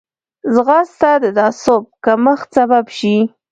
ځغاسته د تعصب کمښت سبب شي